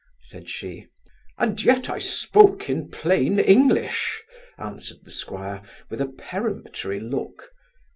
(said she)' 'And yet I spoke in plain English' answered the 'squire, with a peremptory look.